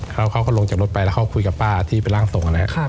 เขาก็ลงจากรถไปแล้วเขาคุยกับป้าที่เป็นร่างทรงนะครับ